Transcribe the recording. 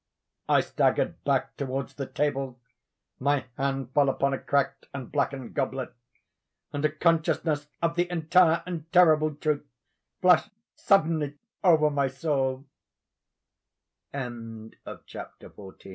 I staggered back towards the table—my hand fell upon a cracked and blackened goblet—and a consciousness of the entire and terrible truth flashed suddenly over